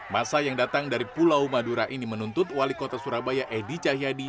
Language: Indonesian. masa yang datang dari pulau madura ini menuntut wali kota surabaya edi cahyadi